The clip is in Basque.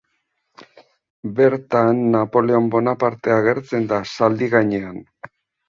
Bertan Napoleon Bonaparte agertzen da, zaldi gainean.